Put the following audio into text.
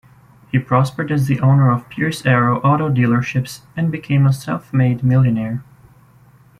He prospered as the owner of Pierce-Arrow auto dealerships and became a self-made millionaire.